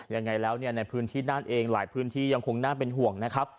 ยังไงแล้วเนี่ยในพื้นที่นั่นเองหลายพื้นที่ยังคงน่าเป็นห่วงนะครับ